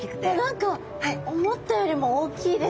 何か思ったよりも大きいですね。